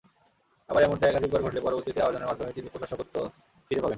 আবার এমনটা একাধিকবার ঘটলে পরবর্তীতে আবেদনের মাধ্যমেই তিনি প্রশাসকত্ব ফিরে পাবেন।